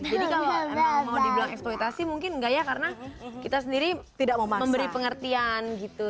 jadi kalo emang mau dibilang eksploitasi mungkin gak ya karena kita sendiri memberi pengertian gitu